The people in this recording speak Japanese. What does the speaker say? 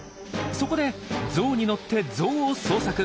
そこでゾウに乗ってゾウを捜索。